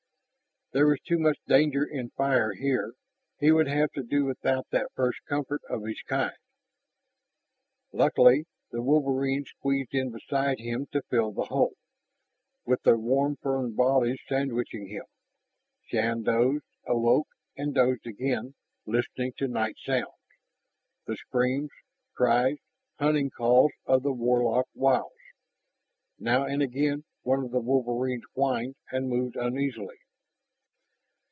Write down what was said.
There was too much danger in fire here; he would have to do without that first comfort of his kind. Luckily, the wolverines squeezed in beside him to fill the hole. With their warm furred bodies sandwiching him, Shann dozed, awoke, and dozed again, listening to night sounds the screams, cries, hunting calls, of the Warlock wilds. Now and again one of the wolverines whined and moved uneasily.